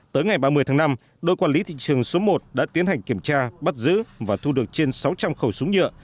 tới ngày ba mươi tháng năm đội quản lý thị trường số một đã tiến hành kiểm tra bắt giữ và thu được trên sáu trăm linh khẩu súng nhựa